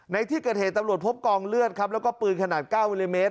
ในที่เกิดเหตุตำรวจพบกองเลือดครับแล้วก็ปืนขนาด๙มิลลิเมตร